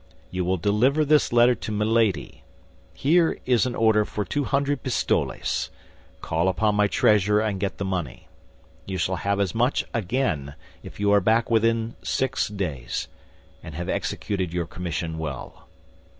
You will deliver this letter to Milady. Here is an order for two hundred pistoles; call upon my treasurer and get the money. You shall have as much again if you are back within six days, and have executed your commission well."